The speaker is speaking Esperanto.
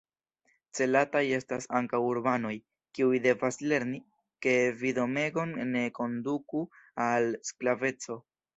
Celataj estas ankaŭ urbanoj, kiuj devas lerni, ke vidomegon ne konduku al sklaveco.